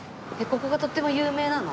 ここがとっても有名なの？